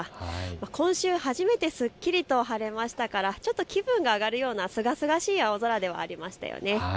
今週初めてすっきりと晴れましたからちょっと気分が上がるようなすがすがしい青空ではありましたよね。